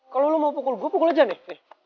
kalau lo mau pukul gue pukul aja nih